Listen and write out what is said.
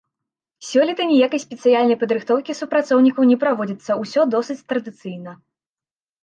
Сёлета ніякай спецыяльнай падрыхтоўкі супрацоўнікаў не праводзіцца, усё досыць традыцыйна.